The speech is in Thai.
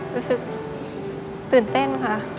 รู้สึกตื่นเต้นค่ะ